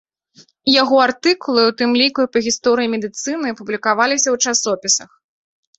Яго артыкулы, у тым ліку і па гісторыі медыцыны, публікаваліся ў часопісах.